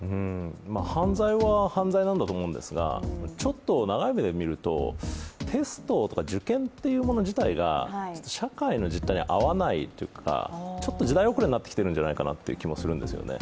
犯罪は犯罪なんだと思うんですがちょっと長い目で見るとテストとか受検というもの自体が社会の実態に合わないというかちょっと時代遅れになってきてるんじゃないかと思うんですね。